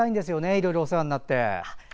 いろいろお世話になって。